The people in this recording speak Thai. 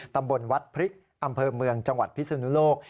ตำบลวัดพริกอำเภอเมืองจังหวัดพิศนุโลก